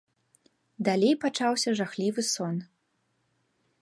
Далей пачаўся жахлівы сон.